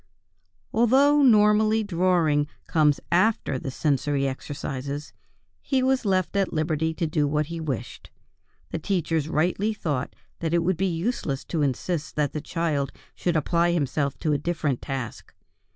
Although normally drawing comes after the sensory exercises, he was left at liberty to do what he wished; the teachers rightly thought that it would be useless to insist that the child should apply himself to a different task.